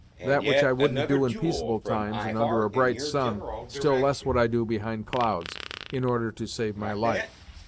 That which I wouldn't do, in peaceable times, and under a bright sun, still less would I do behind clouds, in order to save my life.